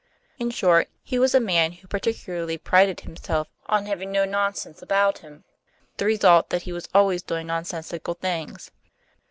In short, he was a man who particularly prided himself on having no nonsense about him; with the result that he was always doing nonsensical things.